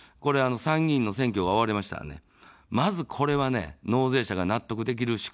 参議院の選挙が終わりましたら、まず、これは納税者が納得できる仕組みに変えていく。